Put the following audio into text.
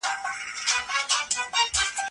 هغه کتاب چې ما آنلاین ولوست ډېر ګټور و.